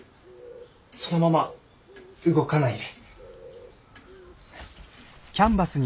そのまま動かないで。